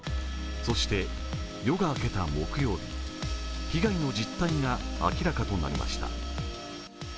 そして、夜が明けた木曜日、被害の実態が明らかとなりました。